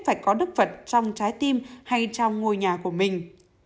phải có đức vật trong trái tim hay trong ngôi nhà của mình